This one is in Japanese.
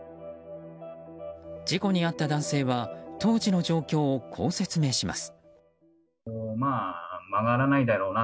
事故に遭った男性は当時の状況をこう説明します。